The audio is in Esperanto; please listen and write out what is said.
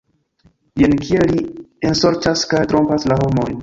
Jen kiel li ensorĉas kaj trompas la homojn!